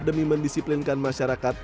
demi mendisiplinkan masyarakat